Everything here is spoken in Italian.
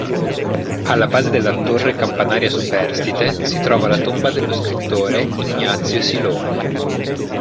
Alla base della torre campanaria superstite si trova la tomba dello scrittore Ignazio Silone.